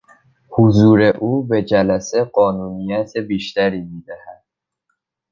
حضور او به جلسه قانونیت بیشتری میدهد.